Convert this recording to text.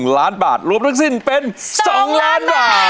๑ล้านบาทรวมทั้งสิ้นเป็น๒ล้านบาท